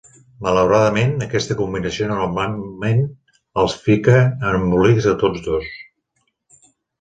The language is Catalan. Malauradament, aquesta combinació normalment els fica en embolics a tots dos.